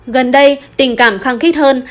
gần đây tình cảm khăng khích hơn